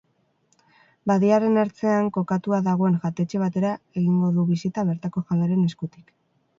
Badiaren ertzean kokatua dagoen jatetxe batera egingo du bisita bertako jabearen eskutik.